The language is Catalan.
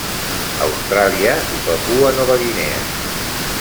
Austràlia i Papua Nova Guinea.